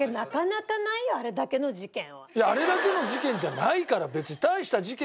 いやあれだけの事件じゃないから別に。